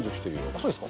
そうですか。